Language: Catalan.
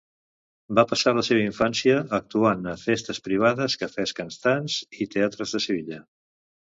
Va passar la seva infància actuant a festes privades, cafès cantants i teatres de Sevilla.